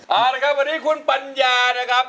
เอาละครับวันนี้คุณปัญญานะครับ